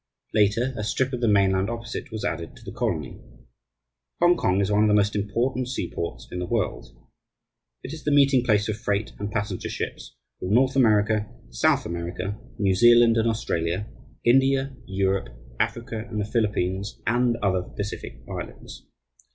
Later, a strip of the mainland opposite was added to the colony. Hongkong is one of the most important seaports in the world. It is the meeting place for freight and passenger ships from North America, South America, New Zealand and Australia, India, Europe, Africa, and the Philippines and other Pacific islands.